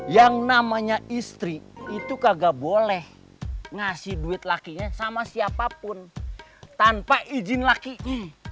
yang namanya istri itu kagak boleh ngasih duit lakinya sama siapapun tanpa izin lakinya